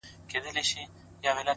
که راتلې زه در څخه هېر نه سمه